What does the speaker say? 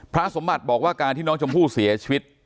สมบัติบอกว่าการที่น้องชมพู่เสียชีวิต